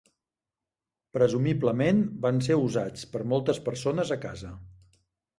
Presumiblement van ser usats per moltes persones a casa.